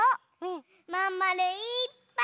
まんまるいっぱい！